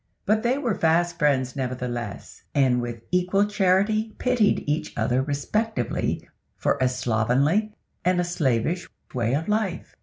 But they were fast friends nevertheless, and with equal charity pitied each other respectively for a slovenly and a slavish way of life.